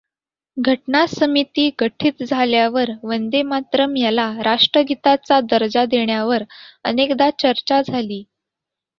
घटना समिती गठित झाल्यावर वंदेमातरम् याला राष्ट्रगीताचा दर्जा देण्यावर अनेकदा चर्चा झाली.